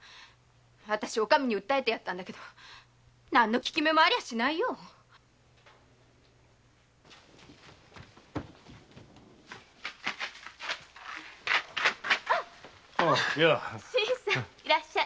あたしお上に訴えてやったけど何の効き目もありゃしないよあら新さんいらっしゃい。